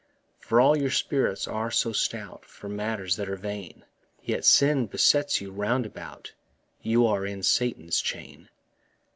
For all your spirits are so stout For matters that are vain, Yet sin besets you round about; You are in Satan's chain.